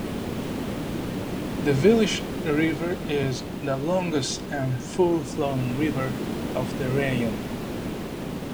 The Vilesh River is the longest and full-flowing river of the rayon.